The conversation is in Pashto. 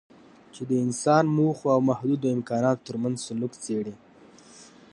چې د انسان موخو او محدودو امکاناتو ترمنځ سلوک څېړي.